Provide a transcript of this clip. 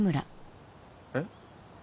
えっ？